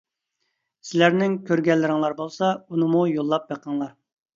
سىلەرنىڭ كۆرگەنلىرىڭلار بولسا ئۇنىمۇ يوللاپ بېقىڭلار.